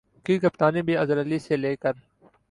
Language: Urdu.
کی کپتانی بھی اظہر علی سے لے کر